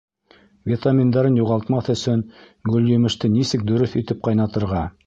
Витаминдарын юғалтмаҫ өсөн гөлйемеште нисек дөрөҫ итеп ҡайнатырға?